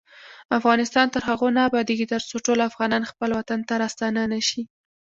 افغانستان تر هغو نه ابادیږي، ترڅو ټول افغانان خپل وطن ته راستانه نشي.